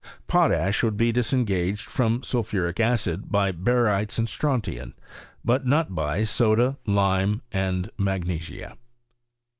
Potash would be disengaged from sulphuric acid by barytes and strontian, but not by soda, lime, and magnesia.